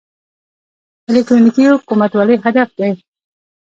الکترونیکي حکومتولي هدف دی